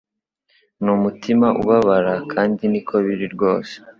n'umutima ubabara kandi niko biri rwose